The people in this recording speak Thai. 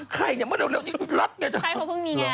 ใครนี่เดี๋ยวอันนี้ลัดไง